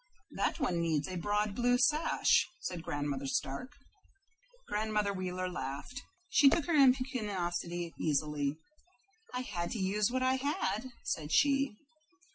"That one needs a broad blue sash," said Grandmother Stark. Grandmother Wheeler laughed. She took her impecuniosity easily. "I had to use what I had," said she.